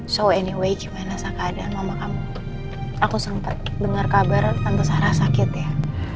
so anyway gimana keadaan mama kamu aku sempet dengar kabar tante sarah sakit ya